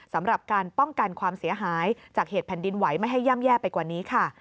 สำหรับการป้องกันความเสียหายจากเหตุแผ่นดินไหวไม่ให้ย่ำแย่ไปกว่านี้ค่ะ